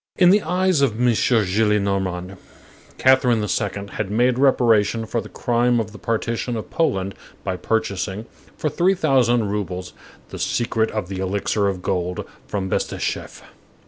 In the eyes of M. Gillenormand, Catherine the Second had made reparation for the crime of the partition of Poland by purchasing, for three thousand roubles, the secret of the elixir of gold, from Bestucheff.